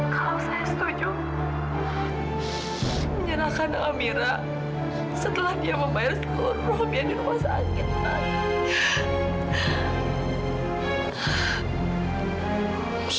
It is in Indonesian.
kalau saya setuju menyerahkan amira setelah dia membayar seluruh biaya di rumah sakit mas